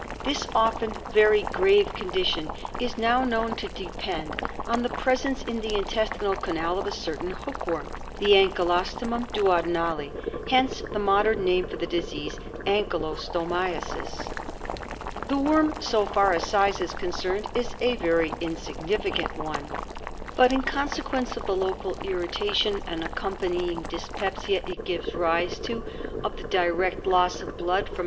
This often very grave condition is now known to depend on the presence in the intestinal canal of a certain hook worm — the Ankylostomum duodenale. Hence the modern name for the disease — Ankylostomiasis. ANKYLOSTOMIASIS. I5 The worm, so far as size is con cerned, is a very insignificant one, but in cons e quence of the local irritation and accompany ing dyspepsia it gives rise to, of the direct loss of blood from